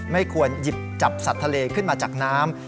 ไม่ควรหยิบจับสัตว์ทะเลขึ้นมาจากน้ำ